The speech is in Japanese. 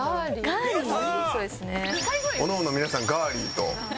おのおの皆さん「ガーリー」と。